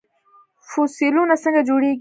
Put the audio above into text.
فوسیلونه څنګه جوړیږي؟